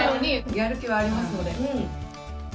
やる気はありますので。